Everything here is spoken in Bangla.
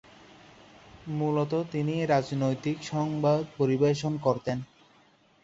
মূলত তিনি রাজনৈতিক সংবাদ পরিবেশন করতেন।